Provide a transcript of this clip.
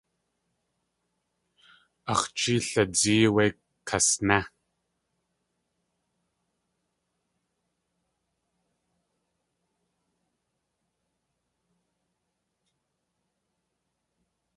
Ax̲ jee lidzée wé kasné.